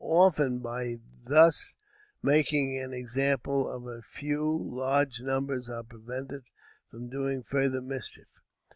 Often, by thus making an example of a few, large numbers are prevented from doing further mischief.